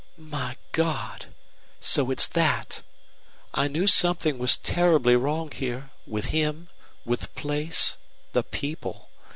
"My God! So it's that? I knew something was terribly wrong here with him with the place the people.